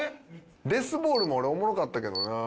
「デスボール」も俺おもろかったけどな。